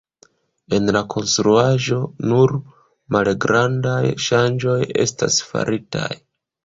En la konstruaĵo nur malgrandaj ŝanĝoj estas faritaj.